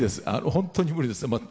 本当に無理です。